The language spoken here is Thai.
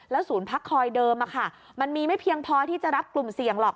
ศูนย์พักคอยเดิมมันมีไม่เพียงพอที่จะรับกลุ่มเสี่ยงหรอก